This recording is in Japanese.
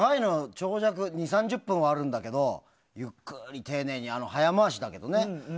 長尺で２０３０分あるんだけどゆっくり丁寧に、早回しだけどね。